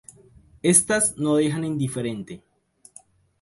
Estas no dejan indiferente.